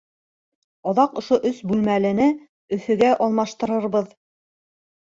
Аҙаҡ ошо өс бүлмәлене Өфөгә алмаштырырбыҙ.